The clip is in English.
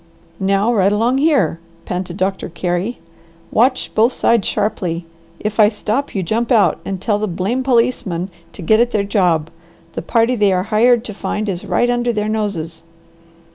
"Now right along here," panted Doctor Carey. "Watch both sides sharply. If I stop you jump out, and tell the blame policemen to get at their job. The party they are hired to find is right under their noses."